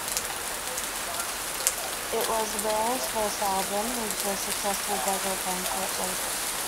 It was the band's first album with the successful Beggars Banquet label.